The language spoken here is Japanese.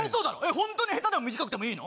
本当に下手でも短くてもいいの？